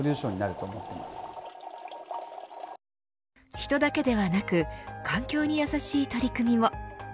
人だけではなく環境にやさしい取り組みを。